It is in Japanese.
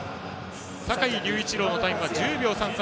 坂井隆一郎のタイムは１０秒３３。